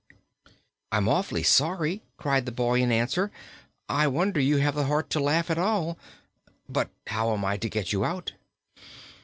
"I'm awfully sorry," cried the boy, in answer. "I wonder you have the heart to laugh at all. But how am I to get you out?"